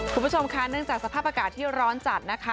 คุณผู้ชมค่ะเนื่องจากสภาพอากาศที่ร้อนจัดนะคะ